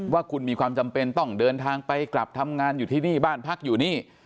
ว่าคุณมีความจำเป็นต้องเดินทางไปกลับทำงานอยู่ที่นี่บ้านพักอยู่นี่